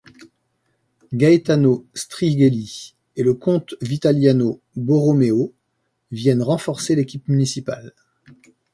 Gaetano Strigelli et le comte Vitaliano Borromeo viennent renforcer l'équipe municipale.